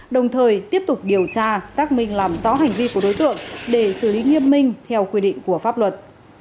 đồng thời tiếp tục điều tra xác minh làm rõ hành vi của đối tượng để xử lý nghiêm minh theo quy định của pháp luật